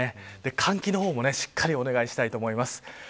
換気もしっかりお願いしたいと思います。